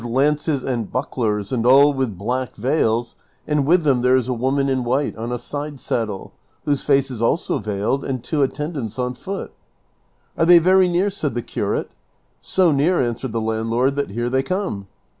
lances and bucklers, and all with black veils, and with them there is a woman in white on a side saddle, whose face is also veiled, and two attendants on foot." " Are they very near ?" said the curate. " So near," answered the landlord, " that here they come."